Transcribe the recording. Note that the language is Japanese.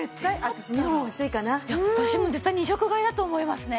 私も絶対２色買いだと思いますね。